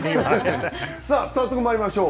さあ、早速まいりましょう。